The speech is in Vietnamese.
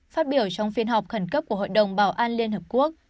phát biểu trong phiên họp khẩn cấp của hội đồng bảo an liên hợp quốc